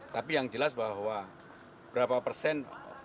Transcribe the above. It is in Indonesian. tapi yang jelas bahwa berapa persen